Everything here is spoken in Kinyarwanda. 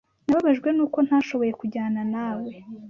Nababajwe nuko ntashoboye kujyana nawe.